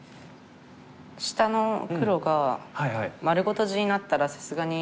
下の黒が丸ごと地になったらさすがに。